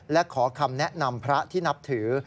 และขอคำแนะนำพระที่นับถือ